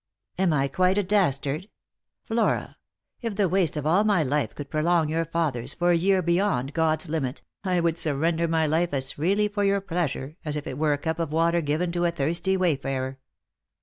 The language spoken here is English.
" Am I quite a dastard ? Flora, if the waste of all my life could prolong your father's for a year beyond God's limit, I would surrender my life as freely for your pleasure as if it were a cup of water given to a thirsty wayfarer.